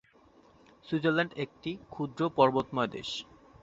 Switzerland একটি ক্ষুদ্র পর্বতময় দেশ।